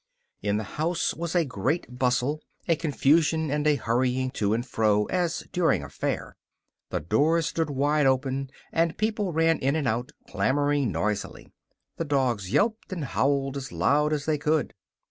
In the house was a great bustle a confusion and a hurrying to and fro, as during a fair. The doors stood wide open, and people ran in and out, clamouring noisily. The dogs yelped and howled as loud as they could.